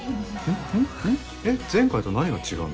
えっ前回と何が違うんだ？